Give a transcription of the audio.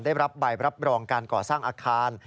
ได้รับใบรับรองการก่อสร้างอาคาร